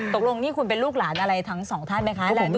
ตกลงนี่คุณเป็นลูกหลานอะไรทั้งสองท่านไหมคะ